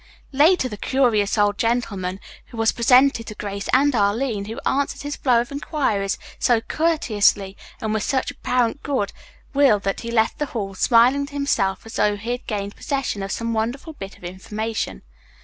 Later, the curious old gentleman was presented to Grace and Arline, who answered his flow of inquiries so courteously and with such apparent good will that he left the hall, smiling to himself as though he had gained possession of some wonderful bit of information.